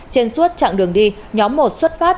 trên suốt chặng đường đi nhóm một xuất phát